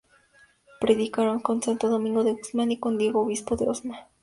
Predicaron con Santo Domingo de Guzmán y con Diego, obispo de Osma.